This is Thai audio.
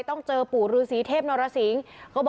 ทั้งหมดนี้คือลูกศิษย์ของพ่อปู่เรศรีนะคะ